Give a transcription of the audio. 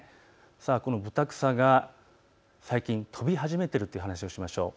このブタクサが最近、飛び始めているという話をしましょう。